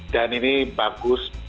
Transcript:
dan ini bagus